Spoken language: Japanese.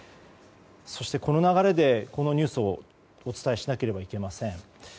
そして、この流れでこのニュースをお伝えしなければいけません。